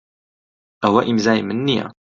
ئەوە ئیمزای من نییە.